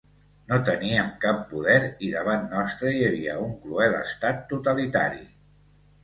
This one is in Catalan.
No teníem cap poder i davant nostre hi havia un cruel estat totalitari.